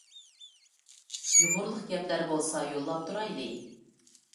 يۇمۇرلۇق گەپلەر بولسا يوللاپ تۇرايلى.